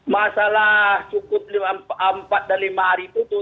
masalah cukup empat dan lima hari tutup